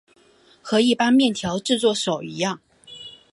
和一般面条制作手一样。